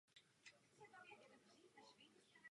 Konečně na obsahu záleží více než na formě.